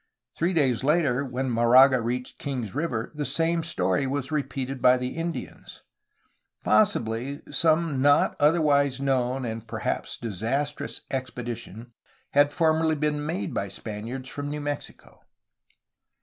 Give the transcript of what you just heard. Three days later, when Moraga reached Kings River, the same story was repeated by the Indians. Pos sibly, some not otherwise known and perhaps disastrous ex pedition had formerly been made by Spaniards from New Mexico.